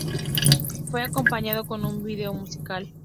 Fue acompañado con un vídeo musical.